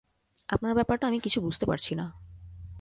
আপনার ব্যাপারটা আমি কিছু বুঝতে পারছি না।